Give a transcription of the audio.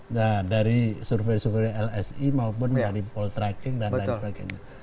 nah dari survei survei lsi maupun dari poltreking dan lain sebagainya